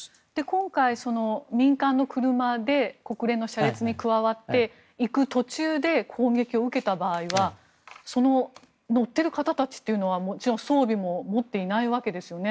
今回、民間の車で国連の車列に加わって行く途中で攻撃を受けた場合は乗っている方たちというのはもちろん装備も持っていないわけですよね。